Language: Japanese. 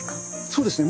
そうですね。